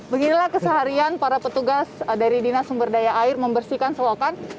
beginilah keseharian para petugas dari dinas sumber daya air membersihkan selokan